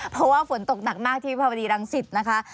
เพราะว่าฝนตกหนักมากที่วิภาวดีรังสิตนะคะ